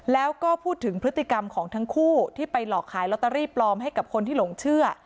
แล้วก็พูดถึงพฤติกรรมของทั้งคู่ที่ไปหลอกขายลอตเตอรี่ปลอมให้กับคนที่หลงเชื่อ